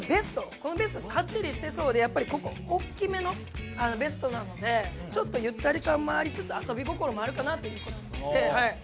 このベストかっちりしてそうでやっぱりここ大きめのベストなのでちょっとゆったり感もありつつ遊び心もあるかなっていう事で。